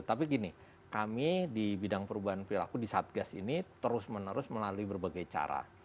tapi gini kami di bidang perubahan perilaku di satgas ini terus menerus melalui berbagai cara